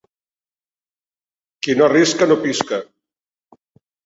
Qui no arrisca no pisca